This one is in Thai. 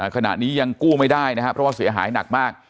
ขณะนี้ยังกู้ไม่ได้เพราะเสียหายหนักมาก